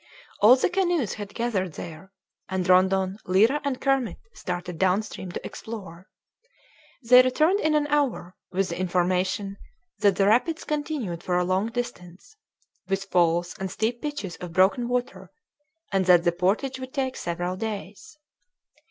All the canoes had gathered there, and Rondon, Lyra, and Kermit started down stream to explore. They returned in an hour, with the information that the rapids continued for a long distance, with falls and steep pitches of broken water, and that the portage would take several days.